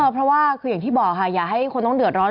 เพราะว่าคืออย่างที่บอกค่ะอย่าให้คนต้องเดือดร้อน